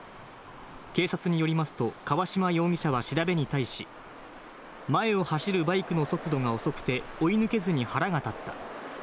警察によりますと、川島容疑者は調べに対し、前を走るバイクの速度が遅くて、追い抜けずに腹が立った。